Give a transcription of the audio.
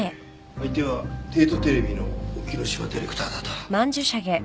相手は帝都テレビの沖野島ディレクターだと